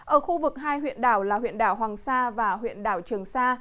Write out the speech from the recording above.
ở khu vực hai huyện đảo là huyện đảo hoàng sa và huyện đảo trường sa